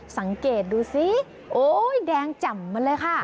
สังเกตดูซิโอ๊ยแดงแจ่มมาเลยค่ะ